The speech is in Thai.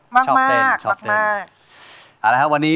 ถ้าพร้อมแล้วขอเชิญพบกับคุณลูกบาท